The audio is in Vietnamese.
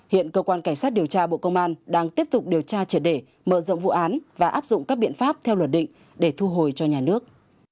hiện cơ quan cảnh sát điều tra bộ công an đang tiếp tục điều tra triệt để mở rộng vụ án và áp dụng các biện pháp theo luật định để thu hồi cho nhà nước